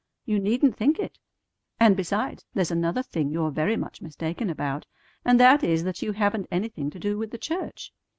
You needn't think it. And, besides, there's another thing you're very much mistaken about, and that is that you haven't anything to do with the church.